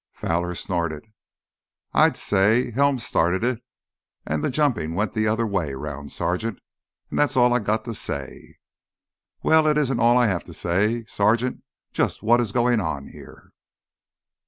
Fowler snorted. "I say Helms started it, an' th' jumpin' went th' other way 'round, Sergeant. An' that's all I got to say." "Well, it isn't all I have to say! Sergeant, just what is going on here?"